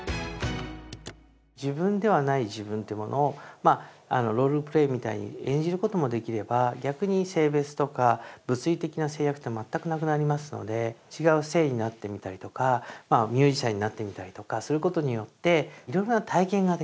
自分ではない自分というものをロールプレイみたいに演じることもできれば逆に性別とか物理的な制約って全くなくなりますので違う性になってみたりとかミュージシャンになってみたりとかすることによっていろいろな体験ができる。